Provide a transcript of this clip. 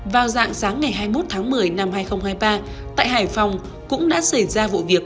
vào dạng sáng ngày hai mươi một tháng một mươi năm hai nghìn hai mươi ba tại hải phòng cũng đã xảy ra vụ việc